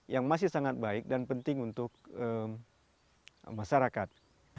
yang masih sangat baik dan penting untuk masyarakat